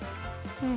うん。